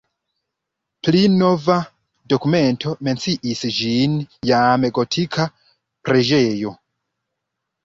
Pli nova dokumento menciis ĝin jam gotika preĝejo.